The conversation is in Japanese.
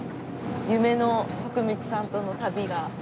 夢の徳光さんとの旅が。